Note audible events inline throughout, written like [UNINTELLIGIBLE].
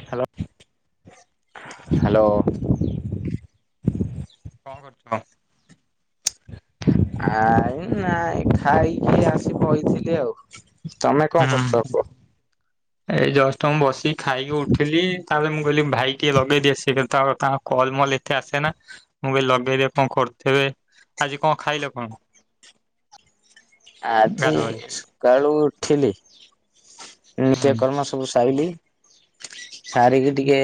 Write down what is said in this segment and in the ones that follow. Hello. Hello. କଣ କରୁଛୁ। ଆ ନା ଖାଇକି ଆସି କହିଥିଲି ଆଉ। ତମେ କଣ ହୁଁ କରୁଛ ପୁଅ ଏଇ ଜଷ୍ଟଟ ମୁଁ ବସିକି ଖାଇକି ଉଠିଲି। ତାପରେ ମୁଁ କହିଲି ଭାଇ। ଟିକଏ ଲଗେଇଦି ସେ [UNINTELLIGIBLE] କଲମଲ ଏତେ ଆସେନା। ମୁଁ ବି ଲଗେଇବି କଣ କରଥବେ। ଆଜି କଣ ଖାଇଲେ କଣ? ଆଜି ଗାଧୁଆବେଳେ? ସକାଳୁ ଉଠିଲି। ହୁଁ। ନିତ୍ୟ କର୍ମ ସ ସବୁ ସାଇଲି। ସାରିକି ଟିକେ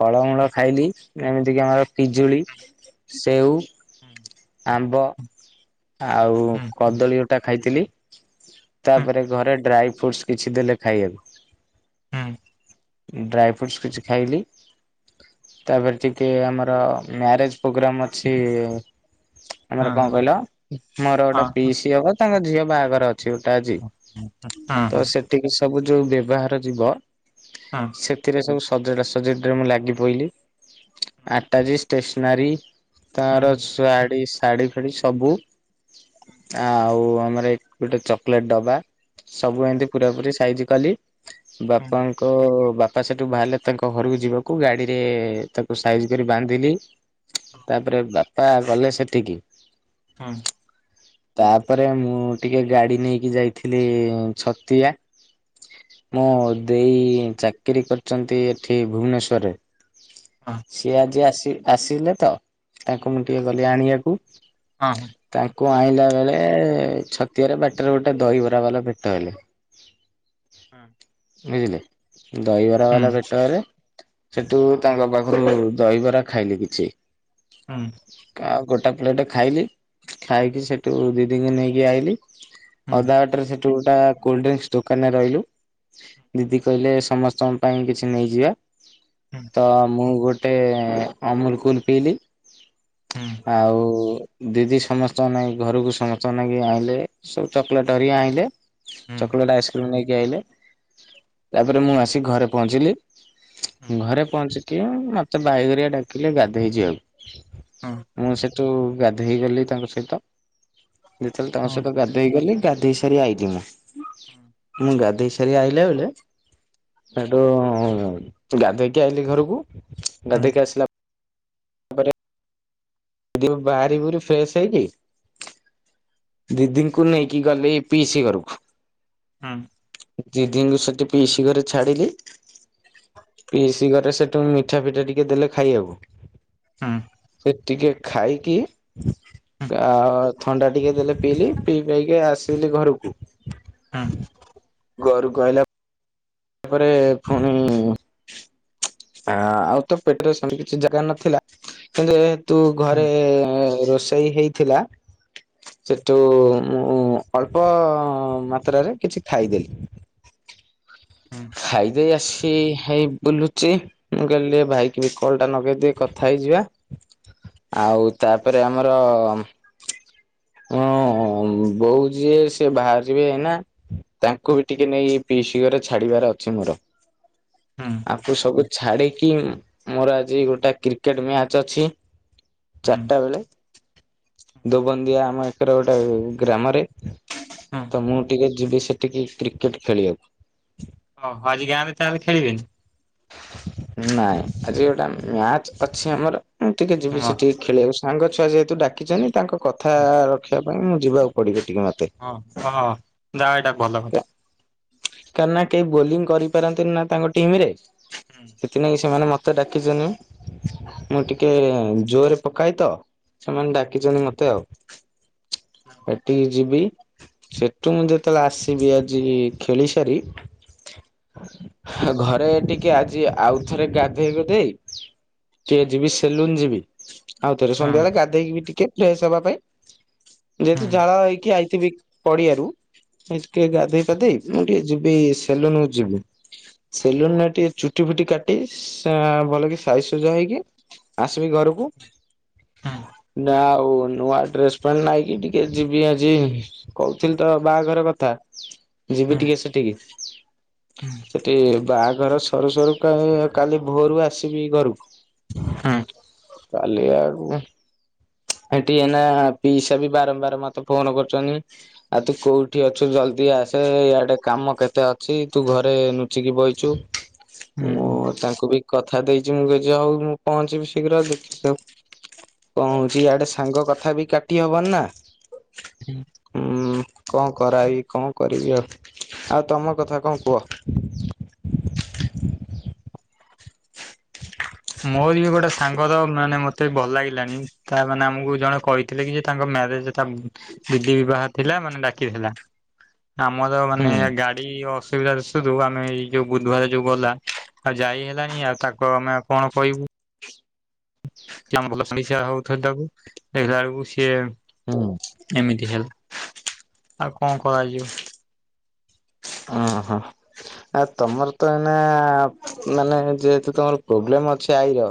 ଫଳମୂଳ ଖାଇଲି। ଏମିତିକି ଆମର ପିଜୁଳି। ସେଓ ହୁଁ ଆମ୍ବ ଆଉ ହୁଁ ହୁଁ କଦଳୀଅଟା ଖାଇଥିଲି। ହୁଁ ତାପରେ ଘରେ ଡ୍ରାଇ ଫ୍ରୁଟସ୍ କିଛି ଦେଲେ ଖାଇବାବ ହୁଁ ଡ୍ରାଏ ଫ୍ରୁଟ୍ସ କିଛି ଖାଇଲି। ତାପରେ ଟିକେ ଆମର ମ୍ୟାରେଜ ପ୍ରୋଗ୍ରାମ ଅଛି ଇ ଆମର କଣ କହିଲ, ମୋର ହଁ ହଁ। ଗୋଟେ ପିଇସି ହବ ତାଙ୍କ ଝିଅ ବାହାଘର ଅଛି। ଛି ଗୋଟା ଆଜି ତ ସେଠିକି ସବୁ ଯୋଉ ବ୍ୟବହାର ଯିବ। ହଁ। ସେଥିରେ ସବୁ ସଜଡ଼ା ସଜଡ଼ିରେ ମୁଁ ଲାଗି ପିଲି ଆଟାଜି ଷ୍ଟେସନାରୀ। ହୁଁ ହୁଁ ତାର ଶୁଆଡି। ଶାଢ଼ୀ ଫେଡ଼ି ସବୁ ଆଉ ଆମର ଗୋଟେ ଚକୋଲେଟ୍ ଦଡବା। ସବୁ ଏମତି ପୁରାପୁରି ସାଇଜ କାଲି ହୁଁ ବାପାଙ୍କ ତ ବାପା ସେଠୁ ବାହାରିଲେ ତାଙ୍କ ଘରକୁ ଯିବାକୁ। ଗାଡିରେ ତାକୁ ସାଇଜ କରି ବାନ୍ଧିଲି। ତାପରେ ବାପା ଗଲେ ସେଠିକି। ହଁ ତାପରେ ମୁଁ ଟିକେ ଗାଡି ନେଇକି ଯାଇଥିଲି ଛତିଆ। ମୁଁ ଦେ ଏଇ ଚାକିରି କରିଛନ୍ତି ଏଠି ଭୁବନେଶ୍ଵରରେ। ସିଏ ଆଜି ଆସିଏ। ଆସିଲେ ତ, ତାଙ୍କୁ ମୁଁ ଟିକେ ଗଲି ଆଣିବାକୁ। ହଁ ହଁ ତାଙ୍କୁ ଆଇଁଲା ବେଳେ ଛତିଆରେ ବାଟରେ ଗୋଟେ ଦହିବରାବାଲା ଭେଟ ହେଲେ। ହୁଁ ବୁଝିଲେ, ଦହିବରା ହୁଁ ବାଲା ଭେଟରେ ସେଠୁ ତାଙ୍କ ପାଖରୁ ଦହିବରା ଖାଇଲି କିଛି। ହୁଁ ଆଉ ଗୋଟା ପ୍ଲେଟ ଖାଇଲି। ଖାଇକି ସେଠୁ ଦିଦିଙ୍କୁ ନେଇକି ଆଇଲି। ହୁଁ। ହୁଁ ହୁଁ ଅଧା ହୁଁ ହୁଁ ହୁଁ ହୁଁ ହୁଁ ହୁଁ ବାଟରେ ସେଠୁ ଗୋଟା କୋଲଡିଙ୍କସ ଦୋକାନରେ ରହିଲୁ। ଦିଦି କହିଲେ ସମସ୍ତଙ୍କ ପାଇଁ କିଛି ନେଇଯିବା। ତ ମୁଁ ଗୋଟ ଗୋଟେ ଅମୁଲକୁଲ ପିଇଲି ଆଉ ଦିଦି ସମସ୍ତଙ୍କନାଇ ଘରକୁ ସମସ୍ତଙ୍କ ନାଗି ଆଣିଲେ। ସବୁ ଚକୋଲେଟରିକ ଆଣିଲେ। ଚକୋଲେଟ ଆଇସ୍କ୍ରିମ ନେଇକି ଆଇଲେ। ତାପରେ ମୁଁ ଆସି ଘରେ ପହଞ୍ଚିଲି। ଘରେ ପହଞ୍ଚି ମତେ ବାଇଗରିଆ ଡାକିଲେ ଗାଧଇଯିବାକୁ। ମୁଁ ସେଠୁ ଗାଧୋଇଗଲି ତାଙ୍କ ସହିତ। ଯେତେବେଳେ ତାଙ୍କ ସହିତ ଗାଧେଇଗଲି, ଗାଧେଇ ସାରି ଆଇଲି ମୁଁ। ମୁଁ ଗାଧ ସେରି ଆଇଲେ ବଲେ ସେଠୁ ଗାଧୋଇକି ଆଇିଲି ଘରକୁ। ଗାଧୋଇକି ଆସିଲା ଯଦି ବାରିବୁରି ଫ୍ରେଶ ହେଇକି ଦିଦିଙ୍କୁ ନେଇକିଗଲି ପିସି ଗଡ଼ଖୁ। ଦିି ଦିଙ୍କୁୁ ସେଠି ପିଇି ଘରେ ଛାଡିଲି। ପିସି କରେ ସେଠୁ ମିଠାଫିଠା ଟିକେ ଦେଲେ ଖାଇବାକୁ। ସେ ଟିକେ ଖାଇକି, ଆଉ ଥଣ୍ଡା ଟିକେ ଦେଲେ ପିଇଲି, ପିଇ ପଇକି ଆସିଲି ଘରକୁ। ହୁଁ। ଘରୁ କୁ ଆସିଲା। ତାପରେ ପୁଣି। ହ ଆଉ ତ ପେଟରେ ସେମିତି କିଛି ଜାଗା ନଥିଲା। କିନ୍ତୁ ଏ ତୁ ହୁଁ। ଘରେ ରୋଷେଇ ହେଇଥିଲା। ସେଠୁ ମୁଁ ଅଳ୍ପ ମାତ୍ରାରେ କିଛି ଖାଇଦେଲି। ହୁଁ। ଖାଇ ଦେଇେ ଆସି ହୋଇ ବୁଲୁଛି। ମୁଁ କହିଲି ଟିକିଏ ଭାଇକି କଲ ଟା ନଗେଇଦ କଥା ହେଇଯିବା। ଆଉ ତାପରେ ଆମର ହଁ ବୋଉଛି ସେି ବାହାରିିବେ ଏଇନା। ତାଙ୍କୁ ବି ଟିକିଏ ନେଇ ପିଇସି ଘରେ। ଛାଡିବାର ଅଛି ମୋର ହୁଁ ଆପୁ ସବୁ ଛାଡିକି ମୋର ଆଜି ଗୋଟେ କ୍ରିକେଟ ମ୍ୟାଚ ଅଛି ହୁଁ ଚାରିଟା ବେଳେ। ଦୋବନ୍ଦିଆ ଆମ ଏକର ଗୋଟେ ଗ୍ରାମରେ ହୁଁ ତ ମୁଁ ଟିକେ ଯିବି ସେଠିକି କ୍ରିକେଟ ଖେଳିବାକୁ। ଓହୋ ଆଜି ଗାଁରେ ତାହେଲେ ଖେଳିବିନି? ନାଇଁ ଆଜି ଗୋଟା ମ୍ୟାଚ ଅଛି ଆମର ମୁଁ ଟିକେ ଯିବି ହଁ ସେଠିକେ। ଖେଳିବାକୁ ସାଙ୍ଗ ଛୁଆ ଯେହେତୁ ଡାକିଛନ୍ତି ତାଙ୍କ କଥା ରଖିବା ପାଇଁ ମୁଁ ଯିବାକୁ ପଡିବି ଟିକେ ମତେ। ହଁ ହଁ ଯା ଏଇଟା ଭଲ କଥା। କାର ନା କେହି ବୋଲିଂ କରିପାରନ୍ତିନି ନା ତାଙ୍କ ଟିମ ରେ ହୁଁ ସେଥିିନାଇି ସେମାନେ ମତେ ଡାକିଛନ୍ତି। ମୁଁ ଟିକେ ଜୋରରେ ପକଏ ତ ସେମାନେ ଡା। ଦେଖିଛନ୍ତି ମତେ ଆଉ ଏଠିକି ଯିବି। ସେଠୁ ମୁଁ ଯେତେବେଳେ ଆସିବି ଆଜି ଖେଳି ସାରି। ଘରେ ଟିକିଏ ଆଜି ଆଉଥରେ ଗାଧେଇ ଗୁଧେଇ ଟିକେ ଯିବି ସେଲୁନ ଯିବି ଆଉ ଥରେ ହୁଁ ସନ୍ଧ୍ୟା ବଳେ ଗାଧେଇକି ଟିକେ ଫ୍ରେଶ ହବା ପାଇଁ। ହୁଁ ଯେହେତୁ ଝାଳ ହେଇକି ଆଇଥିବି ପଡିଆରୁେ ଗାଧେଇ ପାଧେଇ। ମୁଁ ଟିକେ ଯିବି ସେଲୁନକୁ ଯିବି। ସେଲୁନ ଟିକେ ଚୁଟି ଫୁଟି କାଟି ଭଲ କି ସାଇ ସଜା ହେଇକି- ଆସିବି ଘରକୁ ହୁଁ ନା ଆଉ। ନୂଆ ଡ୍ରେସ ପ୍ୟାଣ୍ଟ ନାଇକି ଟିକେ ଯିବି ଆଜି କହୁଥିଲି ତ ବାହାଘର କଥା। ଯିବି ଟିକେ ସେଟିକି ହୁଁ ସେଟି ବାହାଘର ସରୁ ସରୁ କାଇଁ କାଲି ଭୋରୁ ଆସିବି ଘରୁକୁ। ହୁଁ। କାଲିଆଡୁ ଏଠି ଏଇନା ପିଇସା ବି ବାରମ୍ବାର ମତେ ଫୋନ କରୁଚନ୍ତି। ଆଉ ତୁ କୋଉଠି ଅଛୁ ଜଲଦି ଆସ। ସେ ଇଆଡେ କାମ କେତେ ଅଛି ତୁ ଘରେ ନୁଚିକି ବଇଚୁ। ମୁଁ ହୁଁ ତାଙ୍କୁ ବି କଥା ଦେଇଚି ମୁଁ ମୁଁ ପହଞ୍ଚିବି ଶୀଘ୍ର ଆଉ ଦେଖି [UNINTELLIGIBLE] କଣ ହଉଚି ଇଆଡେ ସାଙ୍ଗ କଥା ବି କାଟି ହବନି ନା। ହୁଁ। ଉଁ କଣ କରାଇବି କଣ କରିବି ଆଉ ଆଉ ତମ କଥା କଣ କୁଅ? ମୋର ବି ଗୋଟେ ସାଙ୍ଗର ମାନେ ମତେ ଭଲ ଲାଗିଲାଣି ତା ମାନେ ଆମକୁ ଜଣେ କଇ ଥିଲେ କି ଯେ ତାଙ୍କ ମ୍ୟାରେଜ ଟା ଦିଦି ବିବାହ ଥିଲା ମାନେ ଡାକିଥିଲା। ଆମର ହୁଁ ମାନେ ଗା ଡି ଅସୁବିଧା ଦୋସୁରୁ ଆମେ ଏଇ ଯୋଉ ବୁଧୁବାରେ ଯୋଉ ଗଲା ଆଉ ଯାଇ ହେଲାଣି ଆଉ ତାକୁ ଆମେ କଣ କଇବୁ? [UNINTELLIGIBLE] ହଉଥୁଲ୍ ତାକୁ ଦେଖିଲା ବେଳକୁ ହୁଁ ସିଏ ଏମିତି ହେଲା ଆଉ କଣ କରାଯିବ? ହଁ ହଁ। ଆ ତମର ତ ଏଇନା ମାନେ ଯେହେତୁ ତମର ପ୍ରୋବ୍ଲେମ ଅଛି ଆଇର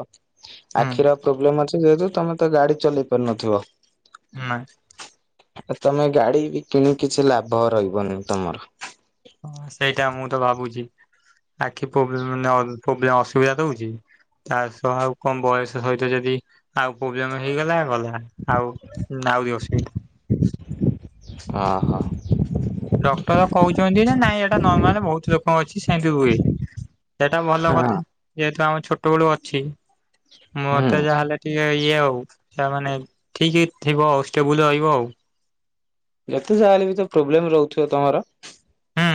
ହୁଁ ଆଖିର ପ୍ରୋବ୍ଲେମ ଅଛି ଯେହେତୁ ତମେ ତ ଗାଡି ଚଲେଇ ପାରୁନଥିବ। ନାଇଁ ଆଉ ତମେ ଗାଡି ବି କିଣି କିଛି ଲାଭ ରହିବନି ତମର। ହଁ ସେଇଟା ମୁଁ ତ ଭାବୁଚି ଆଖି ପ୍ରୋବ୍ଲେ [UNINTELLIGIBLE] ଅସୁବିଧା ହଉଚି। ତା ସହ ଆଉ କଣ ବୟସ ସହିତ ଯଦି ଆଉ ପ୍ରୋବ୍ଲେମ ହେଇଗଲା ଗଲା। ଆଉ। Now you sit. ହଁ ହଁ। ଡକ୍ଟର କଉଚନ୍ତି ନା ନାଇଁ ଏଇଟା ନର୍ମାଲ ବହୁତୁ ଲୋକ ଅଛି ସେମିତି ହୁଏ। ସେଟା ଭଲ ହଁ କଥା। ଯେହେତୁ ଆମ ଛୋଟ ବେଳୁ ଅଛି ହୁଁ ମତେ ଯାହାହେଲେ ଟିକେ ଇଏ ଆଉ। ତା ମାନେ ଠିକ ହେଇଥିବ ଆଉ ଷ୍ଟେବୁଲ ରଇବ ଆଉ। ଯେତେ ଯାହା ହେଲେ ବି ତ ପ୍ରୋବ୍ଲେମ ରହୁଥୁବ ତମର?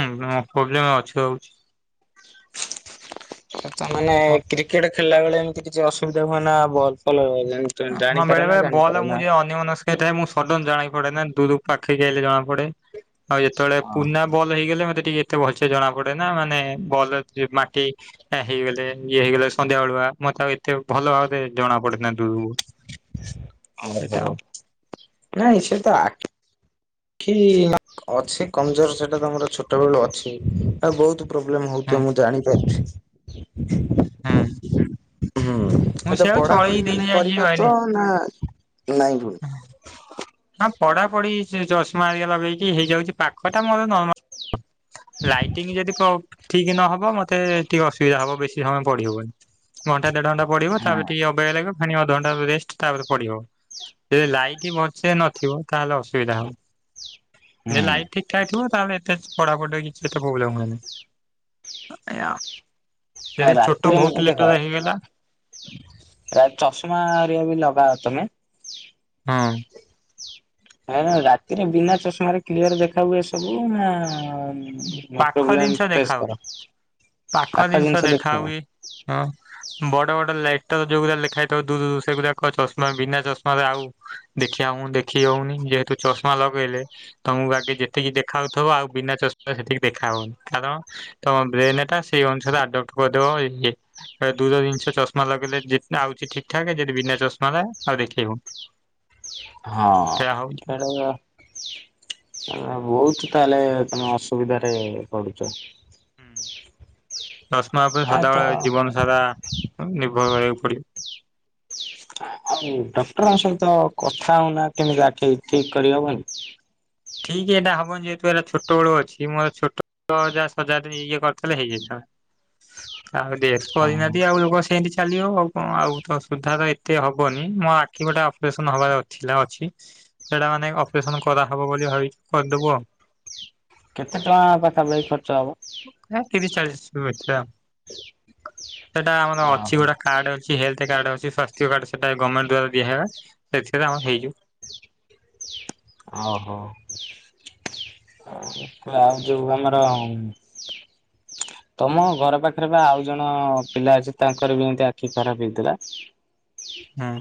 [UNINTELLIGIBLE] ପ୍ରୋବ୍ଲେମ ଅଛି ହଉଚି। ତା ମାନେ କ୍ରିକେଟ ଖେଳିଲା ବେଳେ ଏମିତି କିଛି ଅସୁବିଧା ହୁଏ ନା ଭଲ ଫଲ ଜାଣି ହଁ ବେଳେ ବେଳେ ବଲ ମୁଁ ଯେ ଅନ୍ୟ ମନସ୍କ ଏଠାରେ ମୁଁ ସଡନ ଜାଣି ପଡେନା ଦୁରୁ ପାଖେଇକି ଆଇଲେ ଜଣା ପଡେ ଆଉ ଯେତବେଳେ ପୁନା ବଲ ହେଇଗଲେ ମତେ ଟିକେ ଏତେ ଭଲସ ଜଣା ପଡେ ନା ମାନେ ବଲ ସିଏ ମାଟି ଏ ହେଇଗଲେ ଇଏ ହେଇଗଲେ ସନ୍ଧ୍ୟା ବେଳୁଆ ମତେ ଆଉ ଏତେ ଭଲ ଭାବରେ ଜଣା ପଡେନା ଦୁରୁରୁ। ଓହୋ ନାଇଁ ସେ ତ ଆ ଖି ଅଛି କମଜୋର ସେଟା ତମର ଛୋଟ ବେଳୁ ଅଛି। ଆଉ ବହୁତୁ ପ୍ରୋବ୍ଲେମ୍ ହୁଁ ହଉଥୁବ ମୁଁ ଜାଣିପାରୁଛି। ହୁଁ। ହୁଁ ମୁଁ ଆଛା ସେଆକୁ ଚଳେଇ ପଢାପୁଢି ଦେଇଛି ମାନେ ଆଜି ଭାବିଲି। କରିପାରୁଚ ନା ନାଇଁ ଫୁଣି ହଁ ପଢା ପଢି ଚଷମା ହେରିକା ଲଗେଇକି ହେଇଯାଉଚି ପାଖଟା ମୋର ନର୍ମାଲ ଲାଇଟିଂ ଯଦି ପ ଠିକ୍ ନହବ ମତେ ଟିକେ ଅସୁବିଧା ହବ ବେଶୀ ସମୟ ପଢି ହବନି ଘଣ୍ଟା ଦେଢ ଘଣ୍ଟା ପଢିବ ତାପରେ ହଁ ଟିକେ ଅବାଗିଆ ଲାଗିବ ଫେଣି ଅଧ ଘଣ୍ଟା ରେଷ୍ଟ ତାପରେ ପଢ଼ିବ ଲାଇଟି ବ ସେ ନଥିବ ତାହେଲେ ଅସୁବିଧା ହବ ଯଦି ଲାଇଟ୍ ହୁଁ ଠିକ୍ ଥାଏ ଥିବ ତାହେଲେ ଏତେ ପଢାପଢ଼ି ରେ କିଛି ଏତେ ପ୍ରୋବ୍ଲେମ୍ ହୁଏନି ଏଇଆ। ହ ରାତିରେ ମତେ ଦେଖ ହେଇଗଲା ପ୍ରାୟ ଚଷମାଆ ବି ଲଗାଅ ତମେ? ହଁ। ହେରା ରାତିରେ ବିନା ଚଷମାରେ କ୍ଲିୟର ଦେଖା ହୁଏ ସବୁ ନା ପାଖ ପ୍ରୋଇବେଲମ ଜିନିଷ ଦେଖା ଫେସ ହଉନି। କର, ପାଖ ଜିନିଷ ଦେଖ। ହଁ ବଡ ବଡ ଲେଟର ଯୋଉରା ଲେଖାହେଇଥିବ ଦୂରରୁ ସେଗୋଡ କଣ ଚସମା ବିନା ଚଷମାାରେ ଆଉ ଦେଖିବା ହଉ ଦେଖି ହଉନି ଯେହେତୁ ଚଷମା ଲଗେଇଲେ ତମକୁ ଆଗେ ଯେତିକି ଦେଖାଉଥିବ ଆଉ ବିନା ଚ ସେଠିକି ଦେଖା ହଉନି କାରଣ ତମ ବ୍ରେନ ଟା ସେଇ ଅନୁସାରେ ଆଡପ୍ଟ କରିଦବ। ଦୁର ଜିନିଷ ଚମା ଲାଗେଇଲେ ଆଉଛି ଠିକ ଠାକ ଯଦି ବିନା ଚଷମା ଲାଗେ ଆଉ ଦେଖେଇବୁ। ହଁ ସେଟ ବହୁତ ତାହେଲେ ତମେ ଅସୁବିଧାରେ ପଡୁଛ। ଦଶମା ହେ ପାଇଁ ଆ ସଦାବେଳେ ତ ଜୀବନ ସାରା ନିର୍ଭର କରିବାକୁ ପଡିବ। ଡକ୍ଟରଙ୍କ ସହିତ କଥା ହଉନା କେମିତି ଆଖିକି ଠିକ କରିହବନି? ଠିକ ଏଟା ହବନ ଯେହେତୁଇଟ ଛୋଟେଳ ଅଛି ମୋର ଛୋଟ [UNINTELLIGIBLE] ଇଏ କରିଥିଲେ ହେଇଯାଇଥାଆନ୍ତା। ଆଉ [UNINTELLIGIBLE] ଚା ହଁ। ଆଉ ସୁଧା ତ ଏତେ ହବନି ମୋ ଆଖି ଗୋଟେ ଅପରେସନ ହବାର ଥିଲା ଅଛି ସେଟା ମାନେ ଅପରେସନ କରା ହବ ବୋଲି ଭାବ କରିଦବୁ ଆ କେତେ ଟଙ୍କା ପାଖାପାଖି ଖର୍ଚ୍ଚ ହବ? ରି ଚାଳିଶ ଭଟଥିଲା ସେଟା ଆମର ଅଛି ଓହୋ। ଗୋଟେ କାର୍ଡ ଅଛି ହେଲ୍ଥ କାର୍ଡ ଅଛିାସ୍ଥ୍ୟ କ ସେଟା ଗଭର୍ଣ୍ଣେଣ୍ଟ ଦଵାରା ଦିହ ହେବା ସେଥିରେ ଆମ ହେଇଯାଉ ଓ ହୋ ଆଉ ଯୋଉ ଆମର ତମ ଘର ପାଖରେ ବା ଆଉ ଜଣ ପିଲା ଅଛି ତାଙ୍କର ବି ଏମିତି ଆଖି ଖରାପ ହେଇଥିଲା ହଁ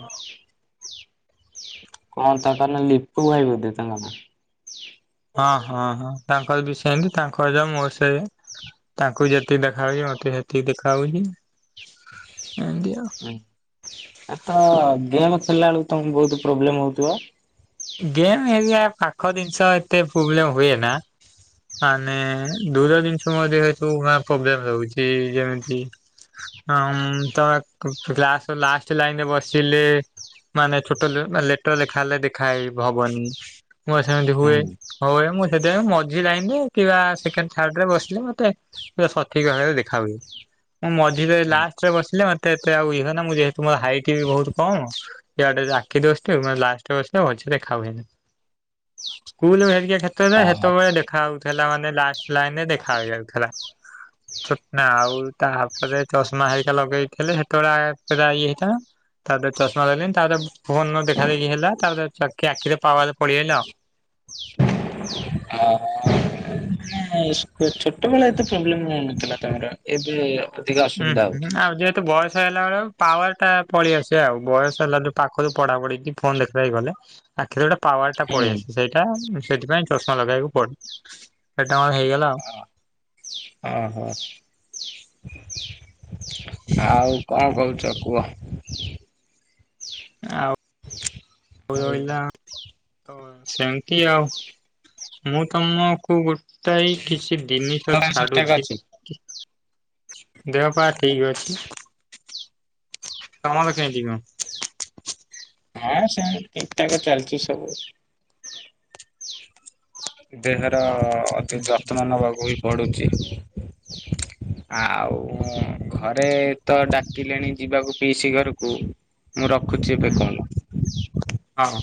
କଣ ତା କାରଣ ଲିପୁାଇ ବୋଧ ତାଙ୍କାନ ହଁ ହଁ ହଁ ତାଙ୍କର ବି ସେମିତି ତାଙ୍କ ଯ ମୋର ସେ ତାଙ୍କୁ ଯେତିକି ଦେଖା ହଉଛି ମତେ ସେତିକି ଦେଖା ହଉଛି ଏମତି ଆଉ ହଁ ଆ ତ ଗେମ୍ ଖେଳିଲା ବେଳକୁ ତମକୁ ବହୁତ ପ୍ରୋବ୍ଲେମ ହଉଥିବ ଗେମ୍ ଏରିଆ ପାଖ ଜିନିଷ ଏତେ ପ୍ରୋବ୍ଲେମ ହୁଏ ନା ମାନେ ଦୁର ଜିନିଷ ମଧ୍ୟତୁ ପ୍ରୋବ୍ଲେମ ରଉଛି ଯେମିତି ହ ତମେ କ୍ଲାସ ଲାଷ୍ଟ ଲାଇନ ରେ ବସିଲେ ମାନେ ଛୋଟ ଲେଟର ଲେଖା ହେଲେ ଦେଖାହଇ ହବନି ମୁଁ ସେମିତି ହୁଏ। ହୁଁ। ହଉ ଏ ମୁଁ ସେଥିପାଇଁ ମଝି ଲାଇନରେ କିମ୍ବା ସେକେଣ୍ଡ ଥାର୍ଡ ରେ ବସିଲେ ମତେ ସଠିକ ଭାବେ ଦେଖା ହୁଏ। ମୁଁ ମଝିରେ ଲାଷ୍ଟରେ ବସିଲେ ମତେ ଏତେ ଆଉ ଇ ନା ମୁଁ ଯେହେତୁ ମୋ ହାଇଟ୍ ବି ବହୁତ କମ। ଇଆଡେ ରାକି ଦସ ଲାଷ୍ଟ ବସ ମଛ ଦେଖା ହଏନି ହ ସ୍କୁଲ ହେରିକ କ୍ଷେତରେ ସେତେବେଳେ ଦେଖା ଯାଉଉଥିଲା ମାନେ ଲାଷ୍ଟ ଲାଇନ ରେ ଦେଖା ହଯାଉଥିଲା ହଁ ଚଟନା ଆଉ ତାପରେ ଚଷମା ହେରିକା ଲଗେଇଥିଲେ ସେତେବେଳେ ପା ଇଏ ହେଇଥିଲା ତାପରେ ଚଷମା ଲାଗଲିଣି ତାପରେ ପୁବନ ଦେଖା ଦେଖି ହେଲା ତାପରେ ଆଖି ଆଖିରେ ପା ପଡିଗଲି ଆଉ ହ ଛୋଟବେେ ଏତେ ପ୍ରୋବ୍ଲେମ ରଉନଥିଲା ତମର ଏବେ ଅଧିକା ହୁଁ ଅସୁବିଧା ହୁଁ ହଉଛି। ଆଉ ଯେହେତୁ ବୟସ ହେଲା ବେଳେ ପାୱାର ଟା ପଳେଇଆସିବା ଆଉ ବୟସ ହେଲା ପାଖରୁ ପଢା ପଢିଛି ଫୋନ ଦେଖାି ଗଲେ ଆ କେତୋଟ ପାୱ ଟା ହୁଁ ପଡ ଆସେ ସେଇ ସେଟା ସେଥିପାଇଁ ଚଷମା ଲଗେଇବାକୁ ପଡ ସେଟା କର ହେଇଗଲା ଆଉ ଓହୋ ଆଉ କଣ କରହୁଛ କୁହ ଆଉ ରହିଲା ସେମତି ଆଉ ମୁଁ ତମକୁ ଗୋଟାଏ କିଛି ଜିନିଷ ଆଉ ସବୁ ଠିକ ଛାଡୁଛି ଅଛି ଦେହ ପା ଠିକ ଅଛି ତମର କେମିତି କଣ ହଁ ସେ ଠିକ ଠାକ ଚାଲିଛି ସବୁ ଦେହର ଅତି ଯତ୍ନ ନେବାକୁ ହିଁ ପଡୁଛି ଆଉ ଘରେ ତ ଡାକିଲେଣି ଯିବାକୁ ପିଇସି ଘରକୁ ମୁଁ ରଖୁଛି ଏବେ କଣ ହଁ